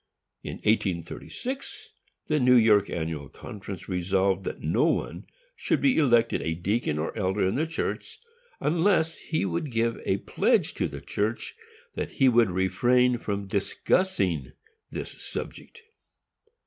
In 1836 the New York Annual Conference resolved that no one should be elected a deacon or elder in the church, unless he would give a pledge to the church that he would refrain from discussing this subject.